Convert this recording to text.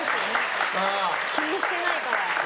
気にしてないから。